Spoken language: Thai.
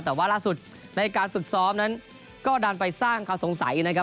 แต่ว่าล่าสุดในการฝึกซ้อมนั้นก็ดันไปสร้างความสงสัยนะครับ